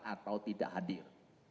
atau tidak hadir